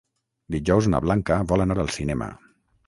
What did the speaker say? Dijous na Blanca vol anar al cinema.